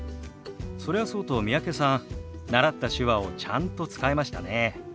それはそうと三宅さん習った手話をちゃんと使えましたね。